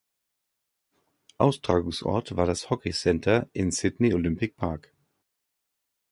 Austragungsort war das Hockey Centre im Sydney Olympic Park.